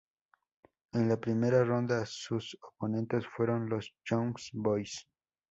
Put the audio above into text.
En la primera ronda sus oponentes fueron los Young Boys.